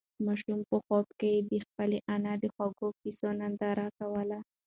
ماشوم په خوب کې د خپلې انا د خوږو قېصو ننداره کوله.